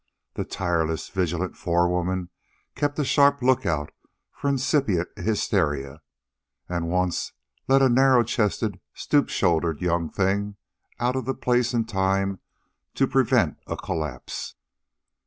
The tireless, vigilant forewoman kept a sharp lookout for incipient hysteria, and once led a narrow chested, stoop shouldered young thing out of the place in time to prevent a collapse.